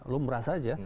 lu merasa aja